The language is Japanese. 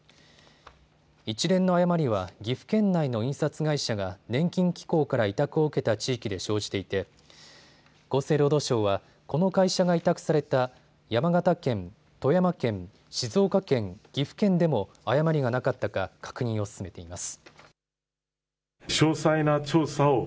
一連の誤りは岐阜県内の印刷会社が年金機構から委託を受けた地域で生じていて厚生労働省はこの会社が委託された山形県、富山県、静岡県、岐阜県でも誤りがなかったか確認を進めています。